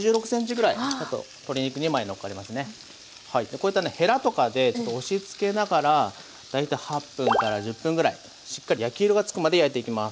こういったねヘラとかでちょっと押しつけながら大体８分から１０分ぐらいしっかり焼き色がつくまで焼いていきます。